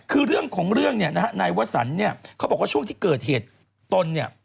คือเรื่องของเรื่องเนี่ยนะฮะนายวสันเนี่ยเขาบอกว่าช่วงที่เกิดเหตุตนเนี่ย